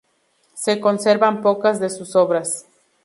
Se conservan pocas de sus obras.